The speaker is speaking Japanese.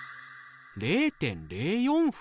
０．０４分？